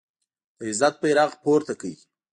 د عزت بیرغ پورته کړ